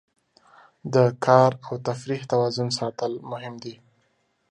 د کار او تفریح توازن ساتل مهم دي.